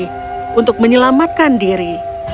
mereka sudah selesai menyelamatkan diri